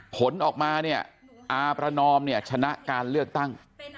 ผลออกมาเนี่ยอาประนอมเนี่ยชนะการเลือกตั้ง